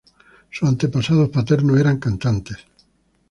Sus antepasados paternos eran cantantes.